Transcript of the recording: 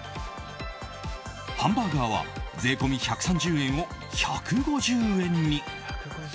ハンバーガーは税込み１３０円を１５０円に。